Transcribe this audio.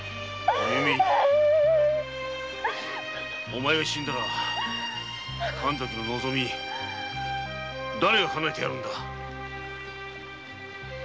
お弓お前が死んだら神崎の望みだれがかなえてやるんだ！